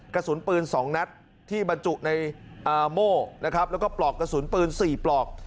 กระสุนปืน๒นัดที่บรรจุในโม่นะครับแล้วก็ปลอกกระสุนปืน๔ปลอก